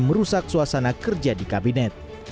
merusak suasana kerja di kabinet